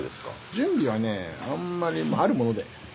準備はねあんまりまぁあるもので。